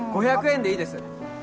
５００円でいいです。